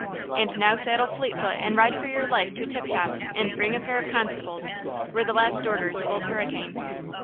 "And now saddle Fleetfoot and ride for your life to Tip Top and bring a pair of constables," were the last orders of Old Hurricane.